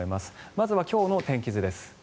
まずは今日の天気図です。